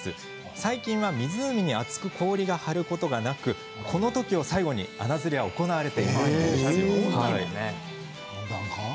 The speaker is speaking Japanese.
最近は湖に厚く氷が張ることがなくこの時を最後に穴釣りは行われていないんです。